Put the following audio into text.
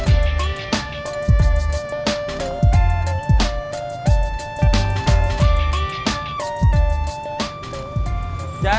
tidak itu tidak baik